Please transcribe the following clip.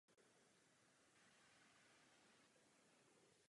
Přes dvacet let žije v New Yorku.